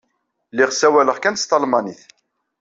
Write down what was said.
Lliɣ ssawaleɣ kan s talmanit.